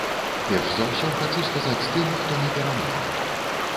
Перш за ўсё хачу сказаць тым, хто не перамог.